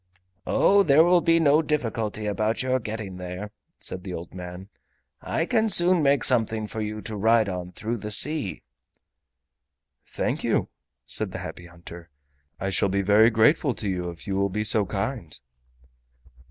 "Oh, there will be no difficulty about your getting there," said the old man; "I can soon make something for you to ride on through the sea." "Thank you," said the Happy Hunter, "I shall be very grateful to you if you will be so kind."